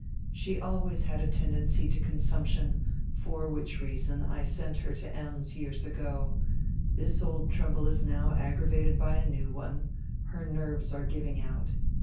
She always had a tendency to consumption, for which reason I sent her to Ems years ago. This old trouhle is now aggravated by a new one; her nerves are giving out.